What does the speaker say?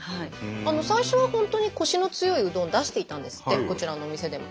最初は本当にコシの強いうどんを出していたんですってこちらのお店でも。